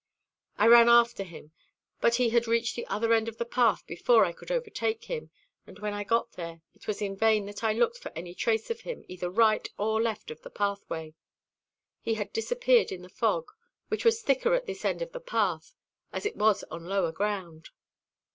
I ran after him, but he had reached the other end of the path before I could overtake him; and when I got there it was in vain that I looked for any trace of him either right or left of the pathway. He had disappeared in the fog, which was thicker at this end of the path, as it was on lower ground.